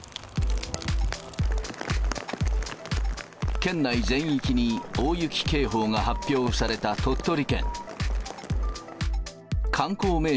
県内全域に大雪警報が発表された鳥取県。